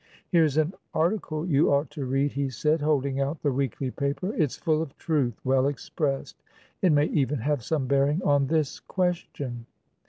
"Here's an article you ought to read," he said, holding out the weekly paper. "It's full of truth, well expressed. It may even have some bearing on this question."